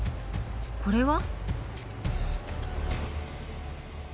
これは？